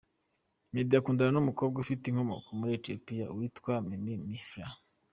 Meddy akundana n’umukobwa ufite inkomoko muri Ethiopia, witwa Mimi Mehfira.